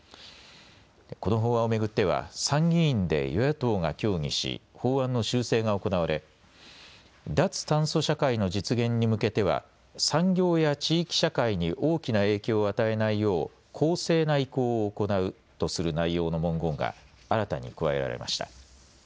この法案を巡っては参議院で与野党が協議し法案の修正が行われ、脱炭素社会の実現に向けては産業や地域社会に大きな影響を与えないよう公正な移行を行うとする内容の文言が新たに加えられました。